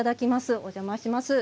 お邪魔します。